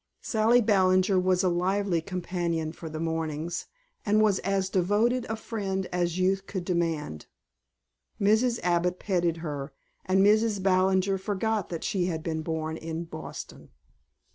Sally Ballinger was a lively companion for the mornings and was as devoted a friend as youth could demand. Mrs. Abbott petted her, and Mrs. Ballinger forgot that she had been born in Boston.